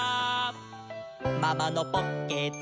「ママのポッケだ」